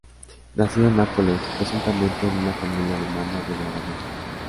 Nacido en Nápoles, presuntamente en una familia alemana de grabadores.